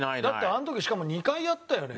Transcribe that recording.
あの時しかも２回やったよね。